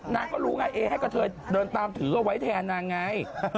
นางก็รู้ไงเอให้กระเทยเดินตามถือเอาไว้แทนนางไง